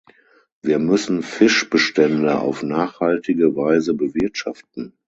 Wir müssen Fischbestände auf nachhaltige Weise bewirtschaften.